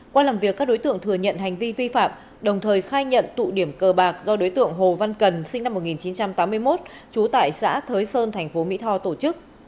qua làm việc các đối tượng thừa nhận hành vi vi phạm đồng thời khai nhận tụ điểm cờ bạc do đối tượng hồ văn cần sinh năm một nghìn chín trăm tám mươi một trú tại xã thới sơn thành phố mỹ tho tổ chức